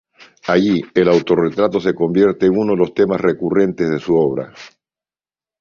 Allí, el autorretrato se convierte en uno de los temas recurrentes de su obra.